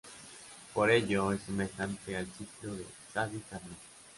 Por ello, es semejante al ciclo de Sadi Carnot.